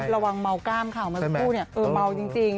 ระวังเมาก้ามข่าวมาสักครู่เนี่ยเออเมาจริง